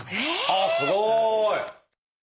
あっすごい！